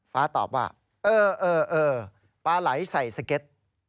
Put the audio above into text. ฟ้าตอบว่าเออปลาไหลใส่สเก็ต